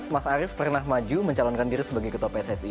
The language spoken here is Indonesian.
dua ribu enam belas mas arief pernah maju mencalonkan diri sebagai ketua pssi